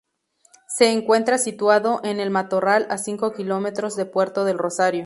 Se encuentra situado en El Matorral, a cinco kilómetros de Puerto del Rosario.